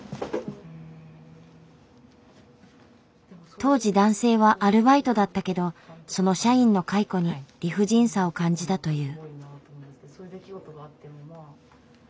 当時男性はアルバイトだったけどその社員の解雇に理不尽さを感じたという。